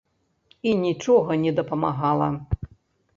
І нічога не дапамагала.